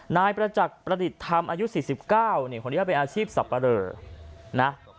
นายประจักษ์ประติศธรรมอายุสี่สิบเก้าเนี่ยคนี้ก็เป็นอาชีพสับปะเหลล